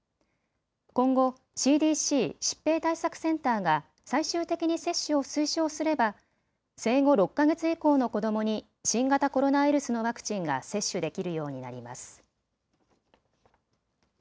今後、ＣＤＣ・疾病対策センターが最終的に接種を推奨すれば生後６か月以降の子どもに新型コロナウイルスのワクチンが接種できるようになります。